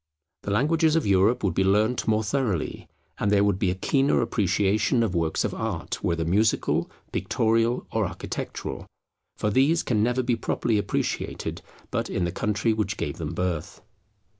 The languages of Europe would be learnt more thoroughly, and there would be a keener appreciation of works of art, whether musical, pictorial, or architectural; for these can never be properly appreciated but in the country which gave them birth.